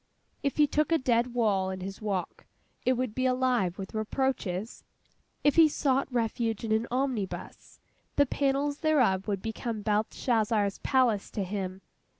If he took a dead wall in his walk, it would be alive with reproaches. If he sought refuge in an omnibus, the panels thereof would become Belshazzar's palace to him.